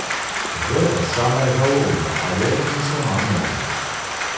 Гэта самае галоўнае, але не сама мэта.